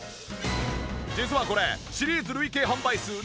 実はこれシリーズ累計販売数７６万